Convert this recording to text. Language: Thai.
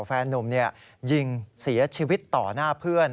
แฟนนุ่มยิงเสียชีวิตต่อหน้าเพื่อน